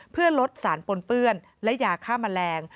เพื่อลดสารปนเปื้อนและยาฆ่าแมลง